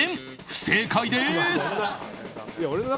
不正解です！